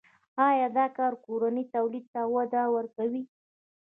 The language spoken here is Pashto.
آیا دا کار کورني تولید ته وده ورکوي؟